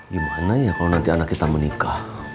gimana ya kalau nanti anak kita menikah